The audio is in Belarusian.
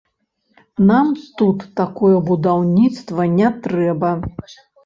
Нам тут такое будаўніцтва не трэба.